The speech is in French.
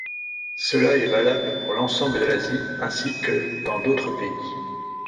Cela est valable pour l'ensemble de l'Asie ainsi que dans d'autres pays.